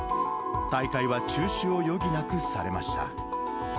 大会は中止を余儀なくされました。